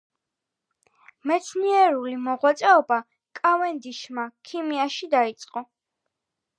მეცნიერული მოღვაწეობა კავენდიშმა ქიმიაში დაიწყო.